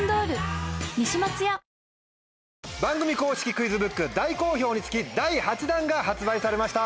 クイズブック大好評につき第８弾が発売されました。